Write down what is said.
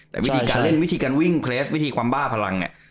แต่วิธีการเล่นวิธีการวิ่งวิธีความบ้าพลัง